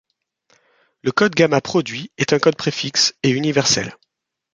Le code gamma produit est un code préfixe et universel.